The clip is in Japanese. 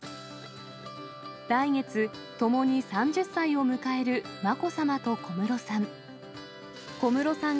来月、共に３０歳を迎えるまこさまと小室さん。